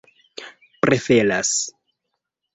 preferas